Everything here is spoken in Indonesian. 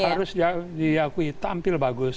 harus diakui tampil bagus